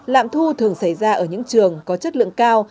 lạm thu thường xảy ra ở những trường có chất lượng cao